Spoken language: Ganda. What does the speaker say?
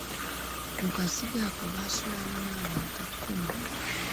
Mu kazigo ako baasulangamu abantu kkumi.